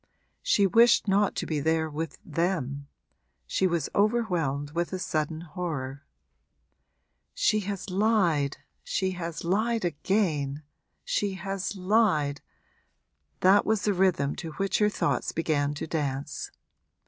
She wished not to be there with them she was overwhelmed with a sudden horror. 'She has lied she has lied again she has lied!' that was the rhythm to which her thought began to dance.